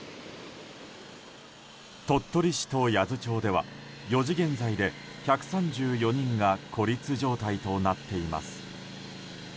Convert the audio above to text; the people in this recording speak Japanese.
鳥取市と八頭町では４時現在で１３４人が孤立状態となっています。